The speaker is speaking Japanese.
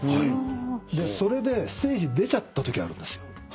それでステージ出ちゃったときあるんですよ。